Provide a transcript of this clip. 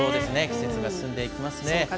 季節が進んでいきますね。